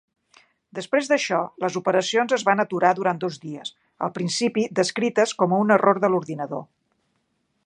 Després d'això, les operacions es van aturar durant dos dies, al principi descrites com a un error de l'ordinador.